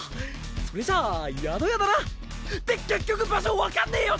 それじゃあ宿屋だな。って結局場所分かんねぇよ